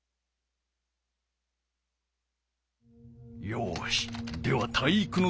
よしでは体育ノ